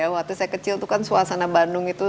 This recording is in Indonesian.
waktu saya kecil itu kan suasana bandung itu